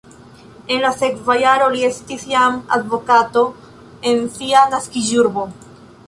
En la sekva jaro li estis jam advokato en sia naskiĝurbo.